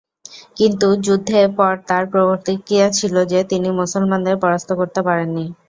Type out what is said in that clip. কিন্তু যুদ্ধে পর তার প্রতিক্রিয়া ছিল যে, তিনি মুসলমানদের পরাস্ত করতে পারেননি।